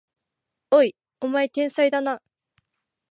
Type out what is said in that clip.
おい、お前天才だな！